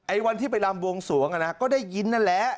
วันที่ไปรำบวงสวงก็ได้ยินนั่นแหละ